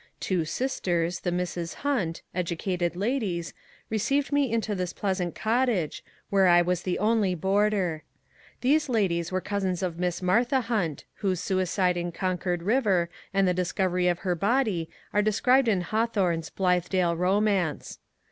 Two sbters, the Misses Hunt, educated ladies, received me into this plea sant cottage, where I was the only boarder. These ladies were cousins of Miss Martha Hunt, whose suicide in Concord Eiver and the recovery of her body are described in Hawthorne's " Blithedale Romance."